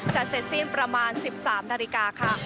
เสร็จสิ้นประมาณ๑๓นาฬิกาค่ะ